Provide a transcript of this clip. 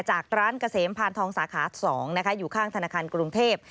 จากร้านเกษมพานทองสาขา๒นะคะอยู่ข้างธนาคารกรุงเทพ